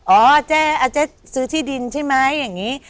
เจ๊ซื้อที่ดินใช่ไหมอย่างนี้